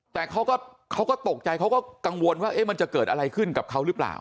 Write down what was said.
แต่เขาก็ตกใจเขาก็กังวลว่ามันจะเกิดอะไรขึ้นกับเขาหรือเปล่า